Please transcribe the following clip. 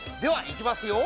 いきます。